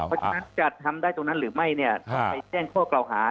เพราะฉะนั้นจะทำได้ตรงนั้นหรือไม่เนี่ยต้องไปแจ้งข้อกล่าวหา